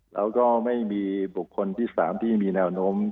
และไม่มีบุคคลที่สามที่มีแนวน้ำได้